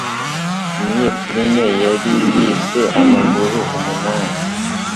Niyihe filime yari yise "amaguru umunani